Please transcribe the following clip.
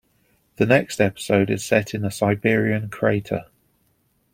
The next episode is set in a Siberian crater.